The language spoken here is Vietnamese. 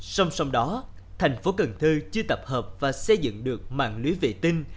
song song đó thành phố cần thơ chưa tập hợp và xây dựng được mạng lưới vệ tinh